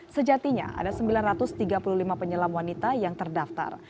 sejatinya ada sembilan ratus tiga puluh lima penyelam wanita yang terdaftar